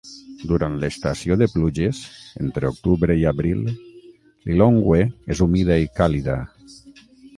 Durant l'estació de pluges, entre octubre i abril, Lilongwe és humida i càlida.